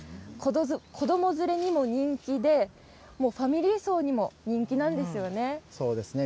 子ども連れにも人気でファミリー層にも人気なんですよね。